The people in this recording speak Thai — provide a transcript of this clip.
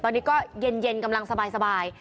ตอนนี้ก็เย็นกำลังสบาย